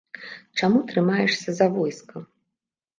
Чаму трымаешся за войска?